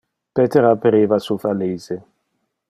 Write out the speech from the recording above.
Peter aperiva su valise.